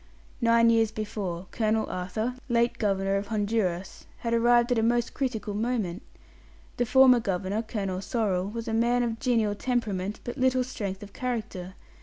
Nine years before, Colonel Arthur, late Governor of Honduras, had arrived at a most critical moment. The former Governor, Colonel Sorrell, was a man of genial temperament, but little strength of character.